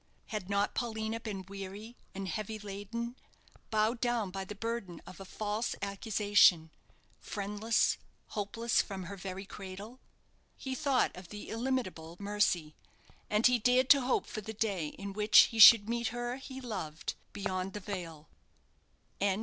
Had not Paulina been "weary, and heavy laden," bowed down by the burden of a false accusation, friendless, hopeless, from her very cradle? He thought of the illimitable Mercy, and he dared to hope for the day in which he should meet her he loved "Beyond the Veil." THE END.